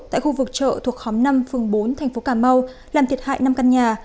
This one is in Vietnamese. tại khu vực chợ thuộc khóm năm phường bốn thành phố cà mau làm thiệt hại năm căn nhà